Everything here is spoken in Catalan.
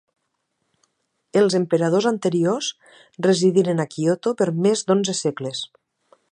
Els emperadors anteriors residiren a Kyoto per més d'onze segles.